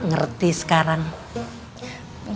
dan nanti saya dan iin juga ikut bersalah